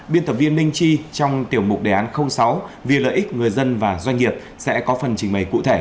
biên tập viên linh chi trong tiểu mục đề án sáu vì lợi ích người dân và doanh nghiệp sẽ có phần trình bày cụ thể